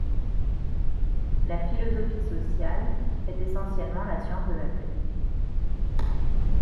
La philosophie sociale, est essentiellement la science de la paix.